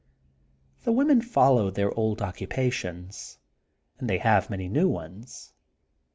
The women follow their old occupations. And they have many new ones.